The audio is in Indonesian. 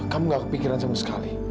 kamu gak kepikiran sama sekali